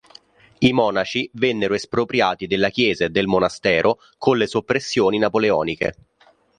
I monaci vennero espropriati della chiesa e del monastero con le soppressioni napoleoniche.